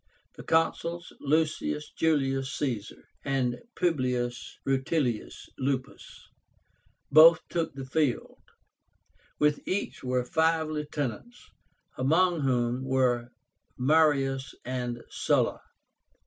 The Consuls, Lucius Julius Caesar and Publius Rutilius Lupus, both took the field; with each were five lieutenants, among whom were Marius and Sulla.